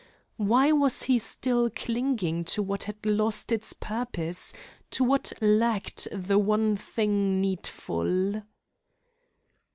Why was he still clinging to what had lost its purpose, to what lacked the one thing needful?